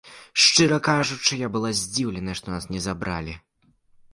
Шчыра кажучы, я была здзіўленая, што нас не забралі.